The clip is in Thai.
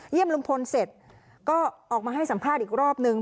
ลุงพลเสร็จก็ออกมาให้สัมภาษณ์อีกรอบนึง